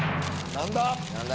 何だ？